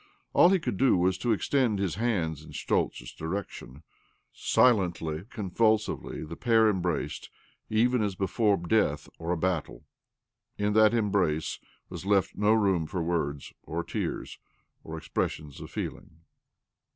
All he could do was to extend his hands in Schtoltz's direction. Silently, convulsively the pair embraced, even as before death or a battle. In that embrace was left no room for words or tears or expressions of feeling